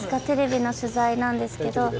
テレビの取材なんですけど。